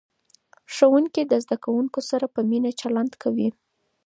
ښوونکي د زده کوونکو سره په مینه چلند کوي.